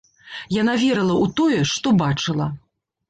Яна верыла ў тое, што бачыла.